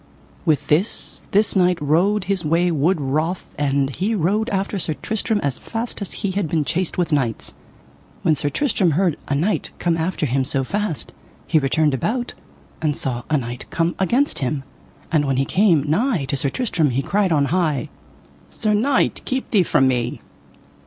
With this this knight rode his way wood wroth, and he rode after Sir Tristram as fast as he had been chased with knights. When Sir Tristram heard a knight come after him so fast he returned about, and saw a knight coming against him. And when he came nigh to Sir Tristram he cried on high: Sir knight, keep thee from me.